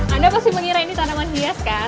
anda pasti mengira ini tanaman hias kan